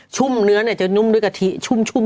ุ่มเนื้อจะนุ่มด้วยกะทิชุ่ม